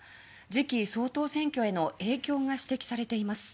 次期総統選挙への影響が指摘されています。